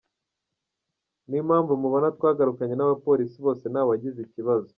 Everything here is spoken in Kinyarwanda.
Niyo mpamvu mubona twagarukanye n’abapolisi bose ntawagize ikibazo.